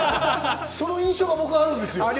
その印象が僕はあるんですよ。